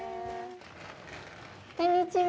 こんにちは。